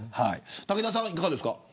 武田さんは、いかがですか。